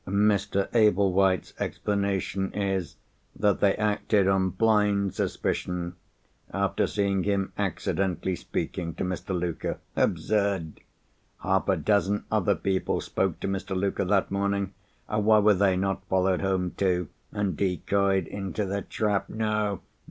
Mr. Ablewhite's explanation is, that they acted on blind suspicion, after seeing him accidentally speaking to Mr. Luker. Absurd! Half a dozen other people spoke to Mr. Luker that morning. Why were they not followed home too, and decoyed into the trap? No!